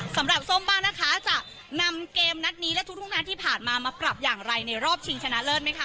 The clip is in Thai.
สำหรับส้มบ้างนะคะจะนำเกมนัดนี้และทุกนัดที่ผ่านมามาปรับอย่างไรในรอบชิงชนะเลิศไหมคะ